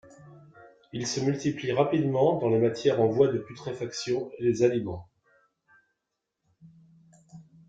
Ils se multiplient rapidement dans les matières en voie de putréfaction et les aliments.